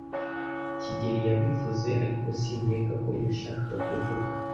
kigeli yabivuze, ariko sinkeka ko yashakaga kuvuga.